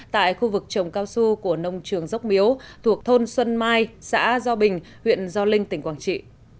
tại khu vực trồng cao su của nông trường dốc miếu thuộc thôn xuân mai xã do bình huyện gio linh tỉnh quảng trị